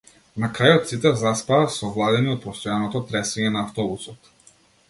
На крајот сите заспаа, совладани од постојаното тресење на автобусот.